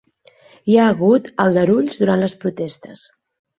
Hi ha hagut aldarulls durant les protestes